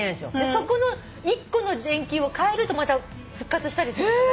そこの１個の電球をかえるとまた復活したりするから。